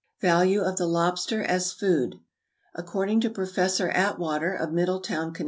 =Value of the Lobster as Food.= According to Professor Atwater of Middletown, Conn.